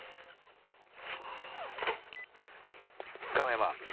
亀山。